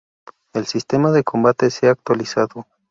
El sistema de combate se ha actualizado.